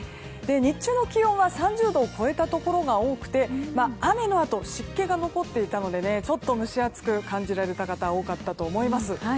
日中の気温は３０度を超えたところが多くて雨のあと、湿気が残っていたのでちょっと蒸し暑く感じられた方多かったと思います。